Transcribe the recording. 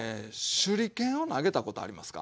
手裏剣を投げたことありますか？